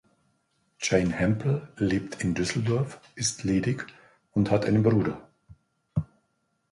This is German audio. Jane Hempel lebt in Düsseldorf, ist ledig und hat einen Bruder.